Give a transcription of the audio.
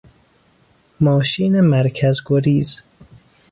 ماشین مرکز گریز